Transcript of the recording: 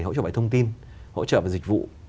hỗ trợ về thông tin hỗ trợ về dịch vụ